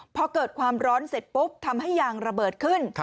พอเกิดความร้อนเสร็จปุ๊บทำให้ยางระเบิดขึ้น